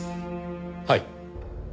はい。